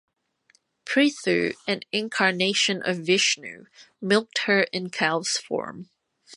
Prithu, an incarnation of Vishnu, milked her in cow's form.